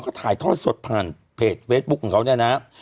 เขาถ่ายทอดสดผ่านเพจเฟซบุ๊คของเขาเนี่ยนะ